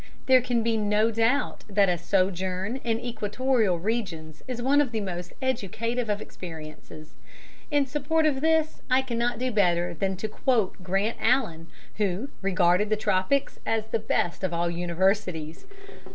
There can be no doubt that a sojourn in equatorial regions is one of the most educative of experiences. In support of this I cannot do better than quote Grant Allen, who regarded the tropics as the best of all universities.